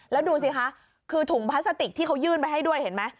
แล้วดูสิคะคือถุงพลาสติกที่เขายื่นไปให้ด้วยเห็นไหม